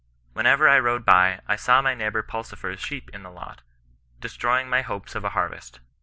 Whenever I tode by, I saw my neighbour Pulsifer's sheep in the lot, destroying my hopes of a harvest.